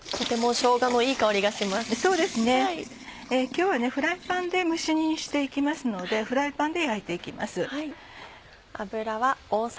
今日はフライパンで蒸し煮にして行きますのでフライパンで焼いて行きます。